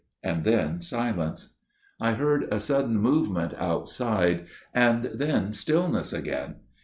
And then silence. I heard a sudden movement outside and then stillness again.